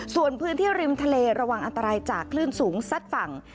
ส่วนพื้นที่ริมทะเลระวังอันตรายจากคลื่นสูงซัดฝั่ง